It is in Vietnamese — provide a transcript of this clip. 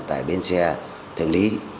tại bến xe tường lý